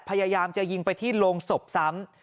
พยายามจะยิงไปที่โรงศพซ้ำ